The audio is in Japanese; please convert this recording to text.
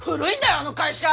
あの会社。